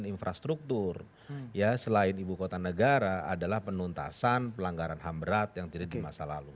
infrastruktur ya selain ibu kota negara adalah penuntasan pelanggaran ham berat yang terjadi di masa lalu